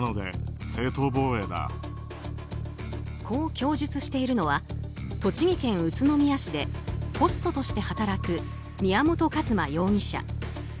こう供述しているのは栃木県宇都宮市でホストとして働く宮本一馬容疑者。